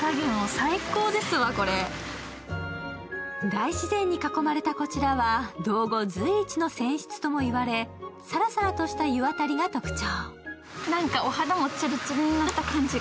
大自然に囲まれたこちらは、道後随一の泉質とも言われ、さらさらとした湯あたりが特徴。